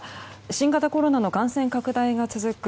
新型コロナの感染拡大が続く